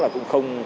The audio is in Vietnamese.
cũng không có